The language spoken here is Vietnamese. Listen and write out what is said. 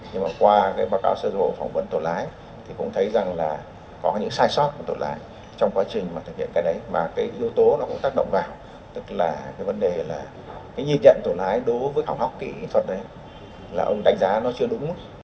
nhưng mà qua báo cáo sơ dụ phỏng vấn tổ lái thì cũng thấy rằng là có những sai sót của tổ lái trong quá trình thực hiện cái đấy và cái yếu tố nó cũng tác động vào tức là cái vấn đề là cái nhìn nhận tổ lái đối với học học kỹ thuật đấy là ông đánh giá nó chưa đúng